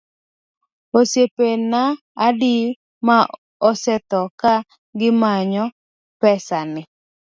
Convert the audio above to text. Osiepena adi ma osetho ka gimanyo pesa ni?